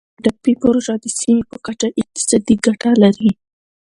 د ټاپي پروژه د سیمې په کچه اقتصادي ګټه لري.